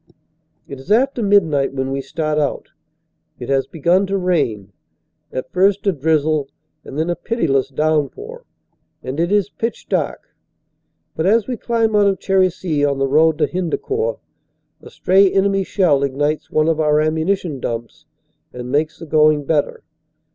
It is after midnight when we start out. It has begun to rain, at first a drizzle and then a pitiless downpour, and it is pitch dark. But as we climb out of Cherisy on the road to Hendecourt, a stray enemy shell ignites one of our ammuni tion dumps and makes the going better.